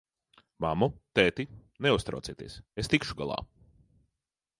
Mammu, tēti, neuztraucieties, es tikšu galā!